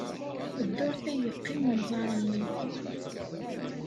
Dduṛt ay yeqqim wenẓar-nni.